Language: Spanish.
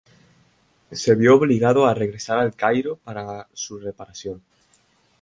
Se vio obligado a regresar al Cairo para su reparación.